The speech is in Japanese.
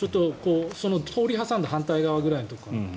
その通りを挟んで反対側ぐらいのところかな。